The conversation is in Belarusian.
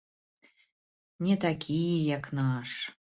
Не такі, як наш.